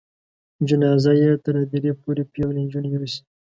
جنازه دې یې تر هدیرې پورې پیغلې نجونې یوسي.